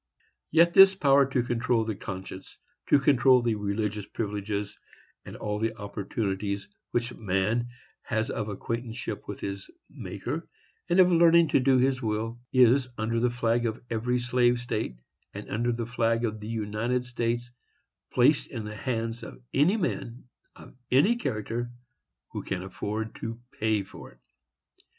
Yet this power to control the conscience, to control the religious privileges, and all the opportunities which man has of acquaintanceship with his Maker, and of learning to do his will, is, under the flag of every slave state, and under the flag of the United States, placed in the hands of any men, of any character, who can afford to pay for it.